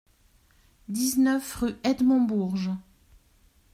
dix-neuf rue Edmond Bourges